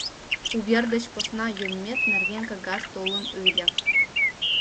Увер деч посна йоммет нерген кагаз толын ыле.